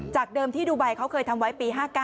เดิมที่ดูไบเขาเคยทำไว้ปี๕๙